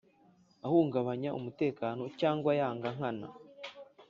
ahungabanya umutekano cyangwa yanga nkana